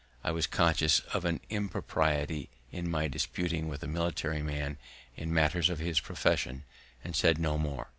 I was conscious of an impropriety in my disputing with a military man in matters of his profession, and said no more.